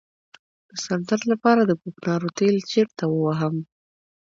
د سر درد لپاره د کوکنارو تېل چیرته ووهم؟